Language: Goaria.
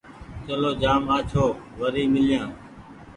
چلو جآم آڇو وري ميليآن ۔